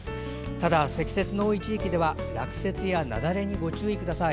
ただ、積雪の多い地域では落雪や雪崩にご注意ください。